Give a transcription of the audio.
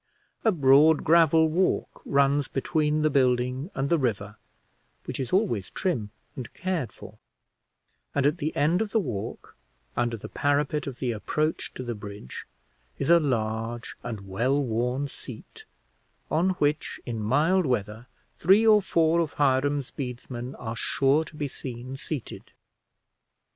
A broad gravel walk runs between the building and the river, which is always trim and cared for; and at the end of the walk, under the parapet of the approach to the bridge, is a large and well worn seat, on which, in mild weather, three or four of Hiram's bedesmen are sure to be seen seated.